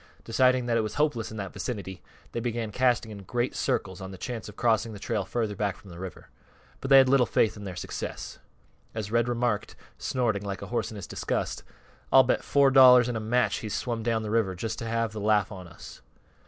Deciding that it was hopeless in that vicinity, they began casting in great circles on the chance of crossing the trail further back from the river. But they had little faith in their success. As Red remarked, snorting like a horse in his disgust, "I'll bet four dollars an' a match he's swum down th' river just to have th' laugh on us."